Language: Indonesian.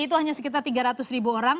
itu hanya sekitar tiga ratus ribu orang